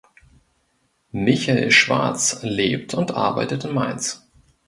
Michael Schwarz lebt und arbeitet in Mainz.